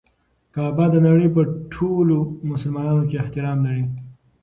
کعبه د نړۍ په ټولو مسلمانانو کې احترام لري.